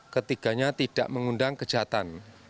ketiganya tidak mengundang kejahatan